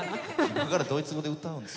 今からドイツ語で歌うんです。